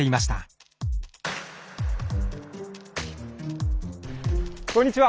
あこんにちは。